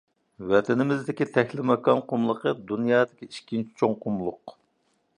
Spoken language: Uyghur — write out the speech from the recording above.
ۋەتىنىمىزدىكى تەكلىماكان قۇملۇقى — دۇنيادىكى ئىككىنچى چوڭ قۇملۇق.